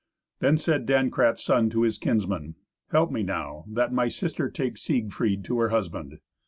Then said Dankrat's son to his kinsmen, "Help me now, that my sister take Siegfried to her husband."